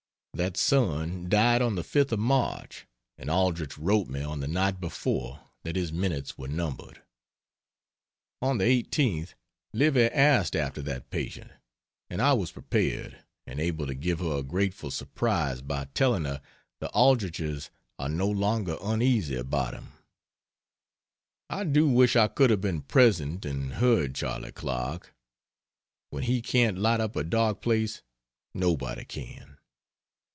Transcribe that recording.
That son died on the 5th of March and Aldrich wrote me on the night before that his minutes were numbered. On the 18th Livy asked after that patient, and I was prepared, and able to give her a grateful surprise by telling her "the Aldriches are no longer uneasy about him." I do wish I could have been present and heard Charley Clark. When he can't light up a dark place nobody can.